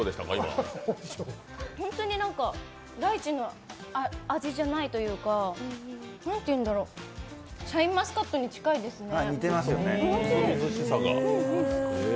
本当にライチの味じゃないというか、なんていうんだろうシャインマスカットに近いですね。